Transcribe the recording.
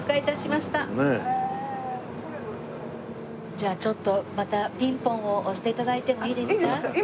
じゃあちょっとまたピンポンを押して頂いてもいいですか？いいですか？